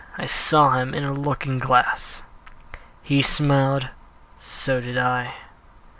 I saw him in a looking glass. He smiled so did I.